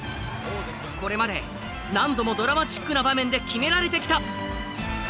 これまで何度もドラマチックな場面で決められてきた。